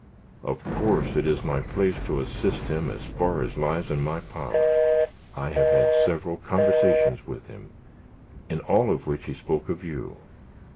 Of course, it is my place to assist him, as far as lies in my power." "I have had several conversations with him, in all of which he spoke of you.